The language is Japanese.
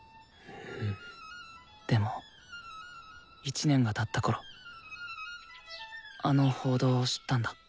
でも１年がたったころあの報道を知ったんだ。